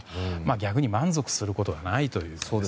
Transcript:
逆に満足することはないという。